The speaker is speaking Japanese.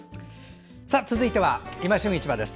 続いては「いま旬市場」です。